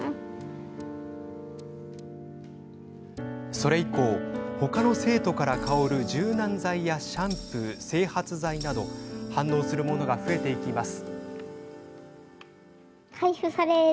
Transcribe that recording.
それ以降、他の生徒から香る柔軟剤やシャンプー、整髪剤など反応するものが増えていきます。